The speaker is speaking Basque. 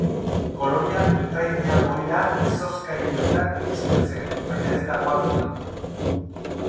Kolonia britainiar ohira izozkailuetan iristen zen, baina ez dago argi nondik.